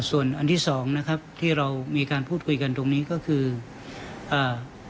ส่วนอันที่สองนะครับที่เรามีการพูดคุยกันตรงนี้ก็คืออ่า